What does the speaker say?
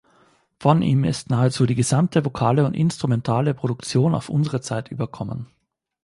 Von ihm ist nahezu die gesamte vokale und instrumentale Produktion auf unsere Zeit überkommen.